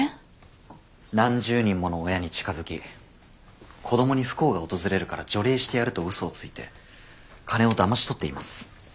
何十人もの親に近づき子供に不幸が訪れるから除霊してやるとうそをついて金をだまし取っています。